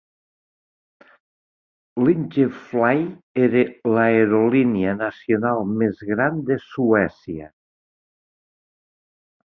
Linjeflyg era l'aerolínia nacional més gran de Suècia.